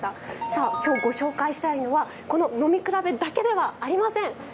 さあ今日ご紹介したいのはこの飲み比べだけではありません。